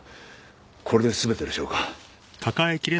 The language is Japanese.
これですべてでしょうか？